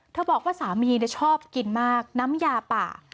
บอกว่าสามีชอบกินมากน้ำยาป่า